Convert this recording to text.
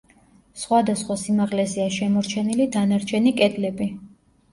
სხვადასხვა სიმაღლეზეა შემორჩენილი დანარჩენი კედლები.